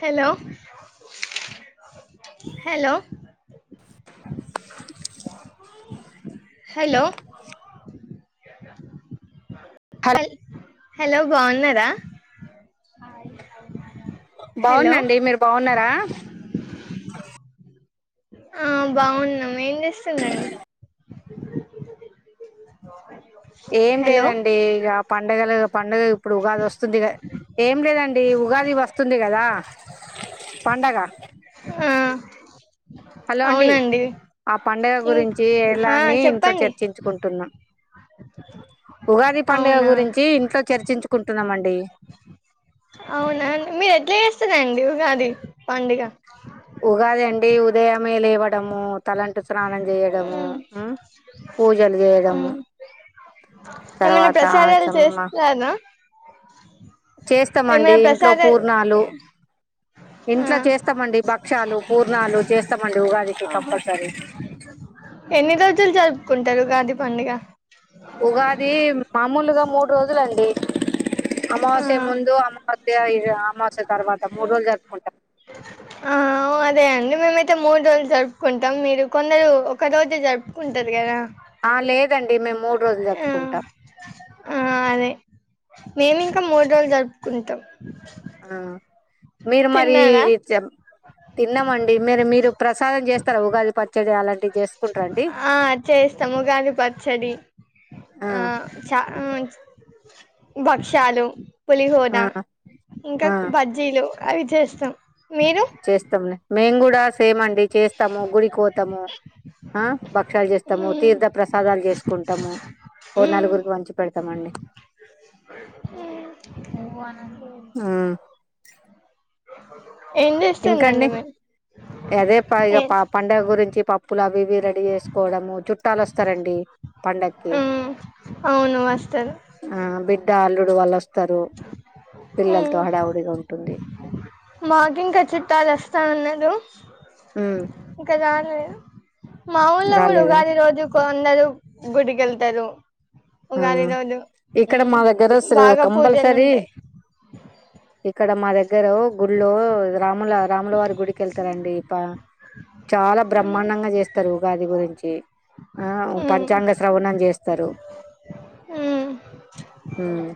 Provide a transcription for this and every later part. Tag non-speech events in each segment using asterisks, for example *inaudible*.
Hello hello hello హ hello బాగున్నారా hello బాగున్నా అండి మీరు బాగున్నారా ఆ బాగున్నాం ఏం చేస్తుందండి ఏం హలో లేదండి ఇగా పండుగలు పండుగ ఇప్పుడు ఉగాది వస్తుంది కదా ఏం లేదండి ఉగాది వస్తుంది కదా పండగ ఆ హలో అండి అవునండి ఆ పండుగ ఇం గురించి హా ఎలాని ఇంట్లో చెప్పండి చర్చించుకుంటున్నా ఉగాది పండుగ అవునా గురించి ఇంట్లో చర్చించుకుంటు టున్నమండి అవునా మీరు ఎట్లా చేస్తున్నరండి ఉగాది పండుగ ఉగాది అండి ఉదయమే లేవడము తలంటు స్నానం చేయడము మ్మ్ ఉ పూజలు చేయడము మ్మ్ ఏమైనా తర్వాత ప్రసాదాలు చెమ్మా చేస్తారా చేస్తామండి ఇంట్లో పూర్ణాలు ఇంట్లో చేస్తామండి భక్షాలు పూర్ణాలు చేస్తామండి ఉ ఉగాదికి ఆహ కంపల్సరీ ఎన్ని రోజులు జరుపుకుంటారు ఉగాది పండుగ ఉగాది మామూలుగా మూడు రోజులండి అమావాస్య ఆ ముందు అమావాస్య ఇగా అమావాస్య తర్వాత మూడు రోజులు జరుపుకుంటాం ఆ అదే అండి మేమైతే మూడు రోజులు జరుపుకుంటాం మీరు కొందరు ఒక రోజే జరుపుకుంటారు కదా ఆ లేదండి మేము మూడు రోజులు జరుపుకుంటాం మేమి ఇంకా మూడు రోజులు జరుపుకుంటాం ఆ మీరు మరి తిన్నారా తిన్నమండి మేర మీరు ప్రసాదం చేస్తారు ఉగాది ప ఆ చేస్తాము ఉగాడి పచ్చడి ఆ చా ఆ భక్షలు ఆ పులిహోదా ఇంకా బజ్జీలు అవి చేస్తాం మీరు చేస్తాంనే మే కూడాడ దస్ సేమండి చేస్తాము గుడి పోతాము ఆ భక్ష్యాలు చేస్తాము మ్మ్ తీర్థ ప్రసాదాలు చేసుకుంటాము ఓ మ్మ్ నలుగురికి వంచి పెడతామండి మ్మ్ *inaudible* ఏం ఇంకా చేస్తుందండి అండి మీరు అదే ఇగ ఏ ప పండగ గురించి పప్పులా అవి ఇవి రెడి చేసుకోవడం చుట్టాలు వస్తరండి పండక్కి మ్మ్ అవును వస్తారు ఆ బిడ్డ అల్లుడు వాళ్ళొ మ్ ఉంటుంది మాకింక చు ట్టాలు వస్తా ఉన్నరు ఉమ్ ఇంక జాలు *inaudible* మా ఊళ్ళో గూడా రాలేదా ఉగాది రోజు కొందరు గుడికి వెళ్తారు ఆ ఉగాది రోజు ఇక్కడ మ్ మా దగ్గర బాగా కంపల్సరీ పూజలుంటయి ఇక్కడ మా దగ్గ దగ్గర గుళ్ళో రాముల రాముల వారి గుడికి వెళ్తారండి ప చాలా బ్రహ్మాండంగా చేస్తరు ఉగాది గురించి ఏ ఆ పంచాంగ శ్రవణం చేస్తా స్తరు మ్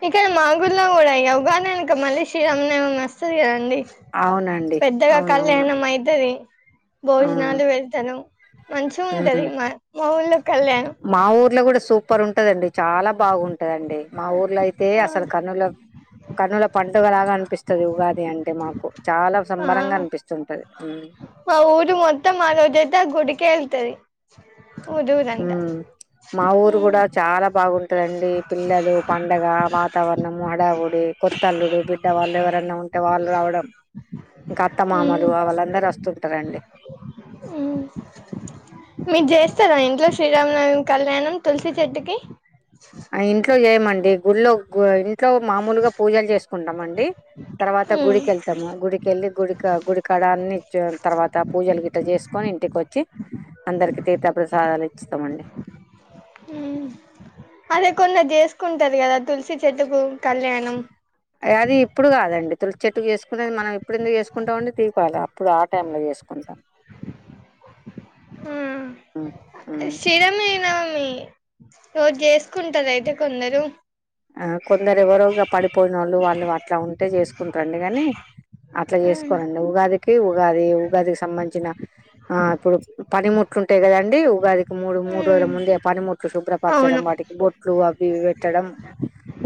ఇక్కడ మాగుళ్ళో గూడా ఇగ ఉగాది క మళ్ళీ శ్రీరామనవమి వస్తది కదండి అవునండి పెద్దగా అవునవును కళ్యాణం అయితది అవును భోజనాలు పెడతనం ఉమ్ మంచిగుంటది మా మా ఊళ్ళో కళ్యాణం పర్ ఉంటదండి చాలా బావున్ టదండి మా ఊర్ టైంలో అయితే ఆ, అసలు కన్నుల కన్నుల పండుగలాగా అనిపిస్తది ఉగాద్ ది అంటే మాకు చాలా ఆ. సంబరంగా అనిపిస్తుంటది మ్ రు మొత్తం ఆ రోజు అయితే ఆ గుడికే ఎళ్తది మ్ మా ఊరు ఉమ్, గూడా చాలా బాగుంటదండి పిల్లలు పండగ వాతావరణము అ డవుడ్ డి కొత్తల్లుడు బిడ్డ వాళ్ళు ఎవరన్నా ఉంటే వాళ్ళు రావడం ఇంకా అత్తమామలు ఉమ్, వాళ్ళందరు వస్తుంటరండి ఉమ్మ్ మీరు చేస్తారా ఇంట్లో శ్రీరామనవమి కళ్యాణం తులసి చెట్టుకి ఆ ఇంట్లో చేయమండి గుళ్లో గుల్ ట్లో మామూలుగా పూజలు చేసుకుంటాం అన్ ది తర్వాత ఉమ్ గుడికెళ్తము గుడికెళ్ళి గుడి క గుడి కాడన్నీ చ్చ్ తర్వాత పూజలు గిట చేసుకొని ఇంటికి వచ్చి అందరికి తీర్థ ప్రసాదాలు ఇచ్చుతమండి ఉమ్ అదే కొందరు చేసుకుంటది కదా తులసి చెట్టుకు కళ్యాణం అది ఇప్పుడు కాదన్ డి తులసి చెట్టు చేసుకునేది మనం ఇప్పుడు ఎందుకు వేసుకుంటాం అండి దీపావళప్పుడు ఆ టైం లో చేసుకుంటాం ఉమ్మ్ శిరమేనం ఇ రోజు చేసుకుంటారు అయితే కొందరు ఆ కొందరు ఎవరోగా పడిపోయినోళ్ళు వాళ్ళు వా ట్ల ఉంటే చేసుకుంటారండి గాని అట్లా ఉమ్ చేసుకోరండి ఉగాది కి ఉగాది ఉగాదికి సంబంధించిన ఆ ఇప్పుడు పని ముట్లుంటాయి కదండి ఉగాది కి మూడు మూడు రోజుల ఉమ్ ముందే పనిముట్లు శుభ్రపరచడం అవును వాటికి బొట్లు అవి ఇవి పెట్టడం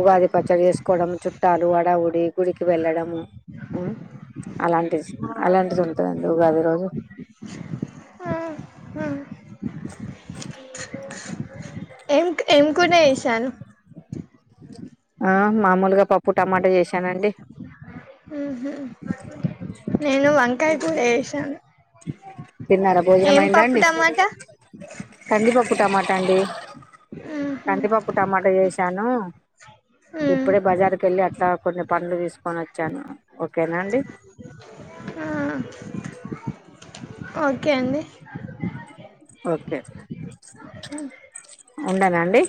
ఉగాది పచ్చడి చేసు కోవడం చుట్టాలు హడావుడి గుడికి వెళ్ళడం ఉమ్ అలాంటిది అలాంటిది ఉంటదండి ఉగాది రోజు ఆ హ్మ్ అ ఎంక్ ఏం కుర చేసారు ఆ మామూలుగా పప్పు టమాటా చేసి ఉహు నేను వంకాయ కూర వేశాను తిన్నారా భోజనం అయిందా అండి టమాటా కందిపప్పు టమాట అండి ఉమ్ హు కందిపప్పు టమాటా వేశాను ఉమ్ ఇప్పుడే బజార్కి వెళ్ళి అట్లా కొన్ని పండ్లు తీసుకొని వచ్చాను ఓకేనా అండి ఆ ఓకే అండి ఓకే ఉండనా అండి